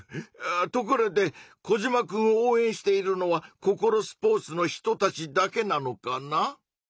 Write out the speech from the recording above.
ところでコジマくんを応えんしているのはココロスポーツの人たちだけなのかな？